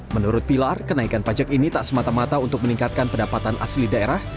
menurut pilar kenaikan pajak ini tak semata mata untuk meningkatkan pendapatan asli daerah